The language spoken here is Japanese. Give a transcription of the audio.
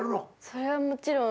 それはもちろん。